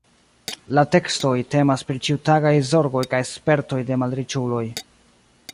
La tekstoj temas pri ĉiutagaj zorgoj kaj spertoj de malriĉuloj.